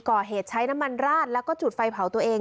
ก่อเหตุใช้น้ำมันราดแล้วก็จุดไฟเผาตัวเอง